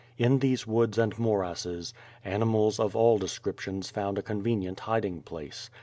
In these woods and morasses, animal?, of all descriptions found a convenient hiding place.